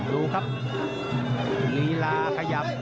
ดูครับลีลาขยับ